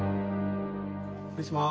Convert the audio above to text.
失礼します。